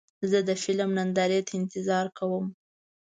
زه د فلم نندارې ته انتظار کوم.